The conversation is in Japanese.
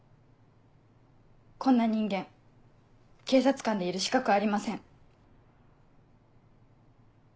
こんな人間警察官でいる資格ありません。